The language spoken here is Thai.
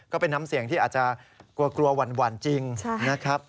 ก็เป็นน้ำเสียงที่อาจจะกลัวหวั่นจริงนะครับ